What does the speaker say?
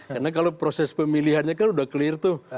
karena kalau proses pemilihannya kan sudah clear tuh